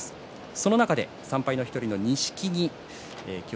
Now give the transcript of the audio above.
その中で３敗の１人の錦木